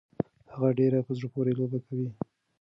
هغه ډيره په زړه پورې لوبه کوي.